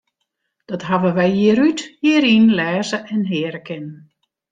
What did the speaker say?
Dat hawwe wy jier út, jier yn lêze en hearre kinnen.